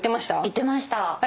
行ってました。